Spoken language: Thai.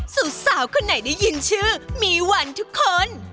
สาวคนไหนได้ยินชื่อมีวันทุกคน